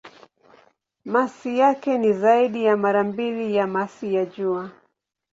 Masi yake ni zaidi ya mara mbili ya masi ya Jua.